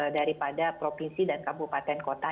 daripada provinsi dan kabupaten kota